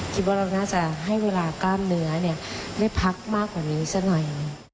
คิดว่าเราน่าจะให้เวลากล้ามเนื้อได้พักมากกว่านี้ซะหน่อย